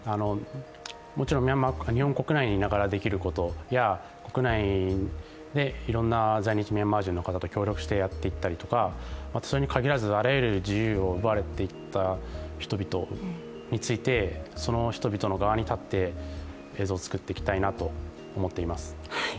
もちろん日本国内にいながらできることや国内でいろんな在日ミャンマー人の方々と協力してやっていったりとか、それに限らずあらゆる自由を奪われていった人々についてその人々の側に立って映像を作っていきたいなと思っています。